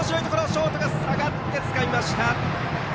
ショートが下がってつかみました。